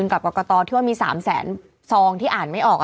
ก็คืออ่านไม่ออก